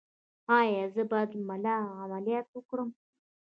ایا زه باید د ملا عملیات وکړم؟